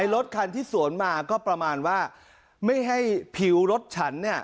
รถคันที่สวนมาก็ประมาณว่าไม่ให้ผิวรถฉันเนี่ย